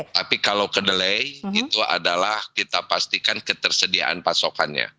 tapi kalau kedelai itu adalah kita pastikan ketersediaan pasokannya